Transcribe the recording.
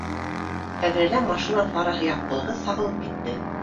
Тәҙрәлә машина фараһы яҡтылығы сағылып китте